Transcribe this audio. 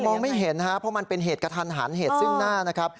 มองไม่เห็นเพราะเป็นเหตุกระทันหันเหตุซึ่งหน้า